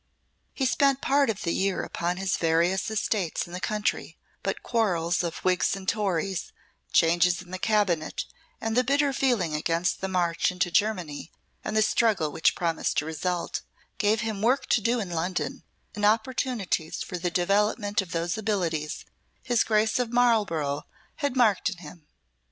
He spent part of the year upon his various estates in the country, but quarrels of Whigs and Tories, changes in the Cabinet, and the bitter feeling against the march into Germany and the struggles which promised to result, gave him work to do in London and opportunities for the development of those abilities his Grace of Marlborough had marked in him.